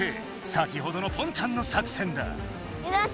先ほどのポンちゃんの作戦だ！